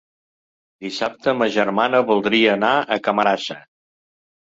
Dissabte ma germana voldria anar a Camarasa.